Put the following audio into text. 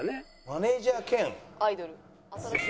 マネージャー兼？アイドル。